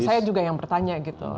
saya juga yang bertanya gitu